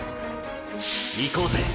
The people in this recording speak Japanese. いこうぜ